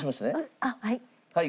あっはい。